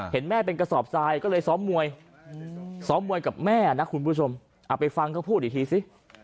เห็นแม่เป็นกระสอบทรายก็เลยซ้อมมวยซ้อมมวยกับแม่นะคุณผู้ชมเอาไปฟังเขาพูดอีกทีสิ